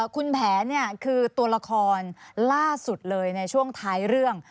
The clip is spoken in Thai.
คุณแผนคือตัวละครล่าสุดเลยในช่วงท้ายเรื่อง